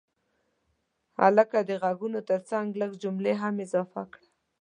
هلکه د غږونو ترڅنګ لږ جملې هم اضافه کړه.